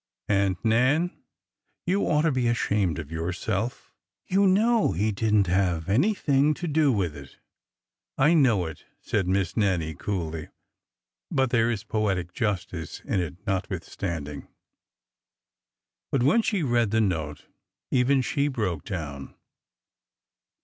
''Aunt Nan! you ought to be ashamed of yourself! You know he did n't have anything to do with it 1 " "I know it," said Miss Nannie, coolly; "but there is poetic justice in it, notwithstanding." But when she read the note, even she broke down.